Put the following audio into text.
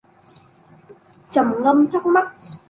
Trầm ngâm thắc mắc